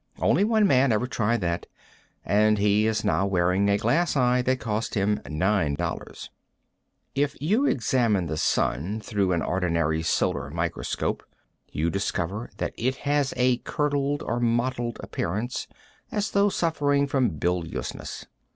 Only one man every tried that, and he is now wearing a glass eye that cost him $9. If you examine the sun through an ordinary solar microscope, you discover that it has a curdled or mottled appearance, as though suffering from biliousness.